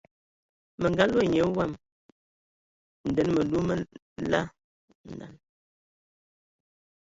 Mə nga loe nya wam nden məlu mə lal.